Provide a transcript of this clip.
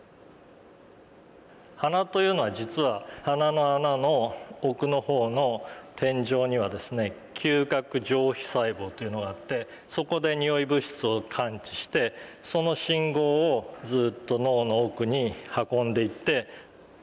鼻というのは実は鼻の穴の奥の方の天井には嗅覚上皮細胞というのがあってそこでにおい物質を感知してその信号をずっと脳の奥に運んでいって。